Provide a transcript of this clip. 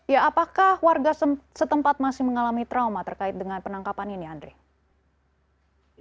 ya apakah warga setempat masih mengalami trauma terkait dengan penangkapan ini andri